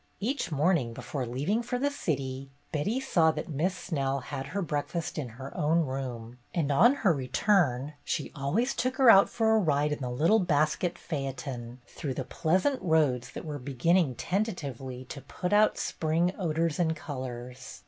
Each morning, before leaving for the city, Betty saw that Miss Snell had her breakfast in her own room, and on her return she always took her out for a ride in the little basket phaeton, through the pleasant roads that were beginning tentatively to put out spring odors and colors.